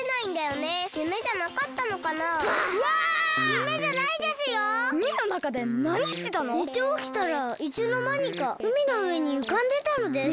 ねておきたらいつのまにかうみのうえにうかんでたのです。